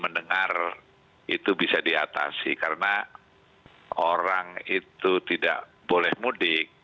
mendengar itu bisa diatasi karena orang itu tidak boleh mudik